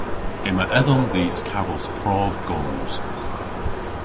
Yma edhom dhis kavos prov goos.